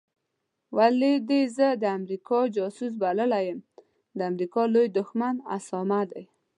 ولي دي زه د امریکا جاسوس بللی یم د امریکا لوی دښمن اسامه دی